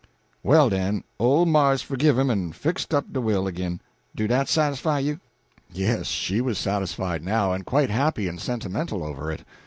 "Well, den, ole Marse forgive him en fixed up de will ag'in do dat satisfy you?" Yes, she was satisfied now, and quite happy and sentimental over it.